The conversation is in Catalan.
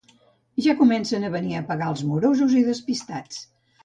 Ja comencen a venir a pagar els morosos i despistats